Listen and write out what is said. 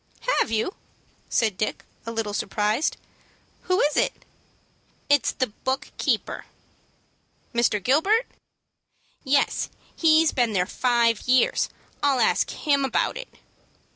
"Have you?" asked Dick, a little surprised. "Who is it?" "It is the book keeper." "Mr. Gilbert?" "Yes; he has been there five years. I'll ask him about it."